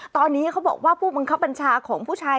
ตอนนี้เขาบอกว่าผู้บังคับบัญชาของผู้ชาย